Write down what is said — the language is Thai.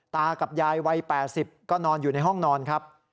ตากับยายวัย๘๐ก็นอนอยู่ในห้องนอนครับ